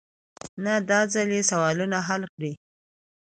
نه داځل يې سوالونه حل کړي.